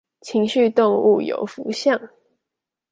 情緒動物有福相